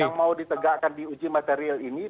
yang mau ditegakkan di uji material ini